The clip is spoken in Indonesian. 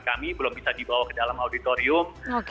kami belum bisa dibawa ke dalam auditorium